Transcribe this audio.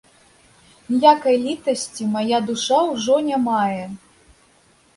Ніякай літасці мая душа ўжо не мае.